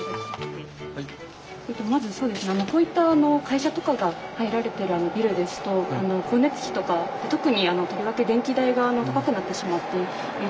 まずこういった会社とかが入られてるビルですと光熱費とか特にとりわけ電気代が高くなってしまっていると思いまして。